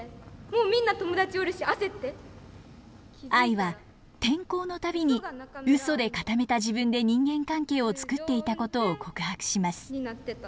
愛は転校の度にうそで固めた自分で人間関係を作っていたことを告白します。